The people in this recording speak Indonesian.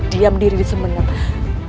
diam diri di semeneng